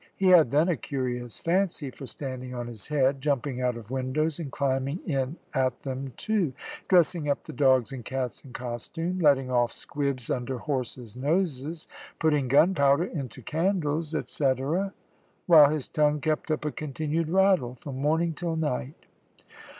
"He had then a curious fancy for standing on his head, jumping out of windows, and climbing in at them too, dressing up the dogs and cats in costume, letting off squibs under horses' noses, putting gunpowder into candles, etcetera, while his tongue kept up a continued rattle from morning till night."